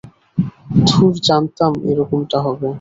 ধুর, জানতাম এরকমটা হবে।